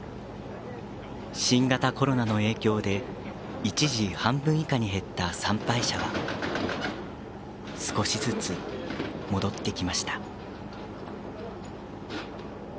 新型コロナの影響で一時、半分以下に減った参拝者は少しずつ戻ってきました。